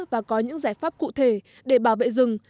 và có những giải pháp cụ thể để bảo vệ rừng